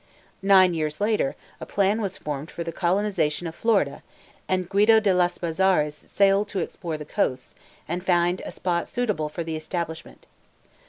Nine years later, a plan was formed for the colonization of Florida, and Guido de las Bazares sailed to explore the coasts, and find a spot suitable for the establishment.